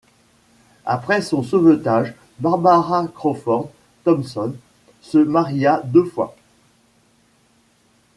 Après son sauvetage, Barbara Crawford Thompson se maria deux fois.